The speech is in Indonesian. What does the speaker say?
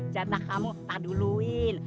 jatah kamu tak duluin